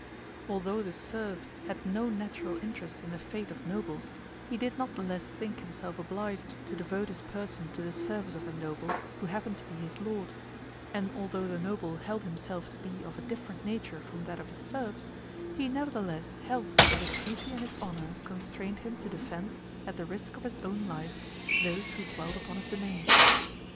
Although the serf had no natural interest in the fate of nobles, he did not the less think himself obliged to devote his person to the service of that noble who happened to be his lord; and although the noble held himself to be of a different nature from that of his serfs, he nevertheless held that his duty and his honor constrained him to defend, at the risk of his own life, those who dwelt upon his domains.